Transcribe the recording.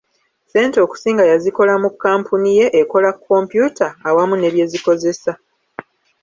Ssente okusinga yazikola mu kkampuniye ekola kompyuta awamu n'ebyezikozesa.